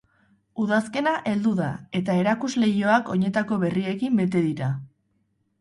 Udazkena heldu da eta erakuslehioak oinetako berriekin bete dira.